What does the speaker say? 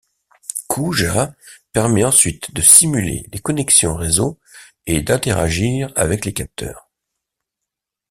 Cooja permet ensuite de simuler les connexions réseaux et d'interagir avec les capteurs.